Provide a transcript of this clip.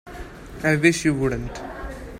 I wish you wouldn't.